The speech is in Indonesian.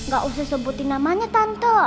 gak usah sebutin namanya tante